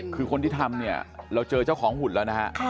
คือคนที่ทำเนี่ยเราเจอเจ้าของหุ่นแล้วนะฮะ